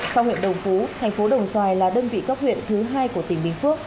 sau huyện đồng phú tp đồng xoài là đơn vị góc huyện thứ hai của tỉnh bình phước